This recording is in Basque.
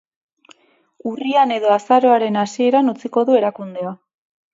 Urrian edo azaroaren hasieran utziko du erakundea.